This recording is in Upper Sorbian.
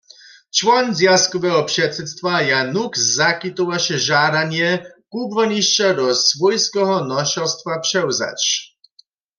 Čłon zwjazkoweho předsydstwa Jan Nuk zakitowaše žadanje, kubłanišća do swójskeho nošerstwa přewzać.